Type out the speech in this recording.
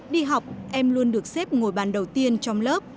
đi học em luôn được xếp ngồi bàn đầu tiên trong lớp